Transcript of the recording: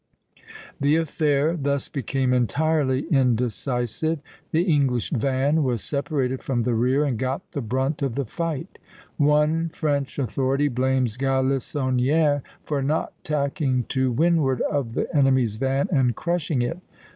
The affair thus became entirely indecisive; the English van was separated from the rear and got the brunt of the fight (C). One French authority blames Galissonière for not tacking to windward of the enemy's van and crushing it.